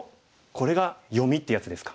これが読みってやつですか。